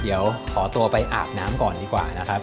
เดี๋ยวขอตัวไปอาบน้ำก่อนดีกว่านะครับ